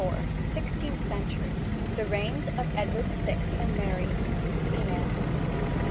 SIXTEENTH CENTURY. THE REIGNS OF EDWARD VI AND MARY. FEMALE.